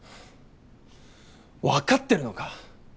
わかってるのか？